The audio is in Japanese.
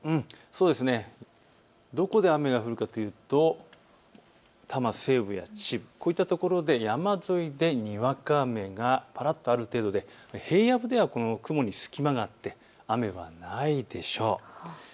どこで雨が降るかというと多摩西部や秩父、こういったところで山沿いでにわか雨がぱらっとある程度で平野部では雲に隙間があって雨はないでしょう。